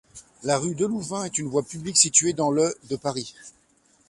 La rue Delouvain est une voie publique située dans le de Paris.